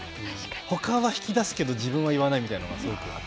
ほかは引き出すけど自分は言わないみたいなのがすごく。